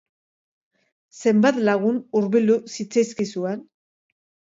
Zenbat lagun hurbildu zitzaizkizuen?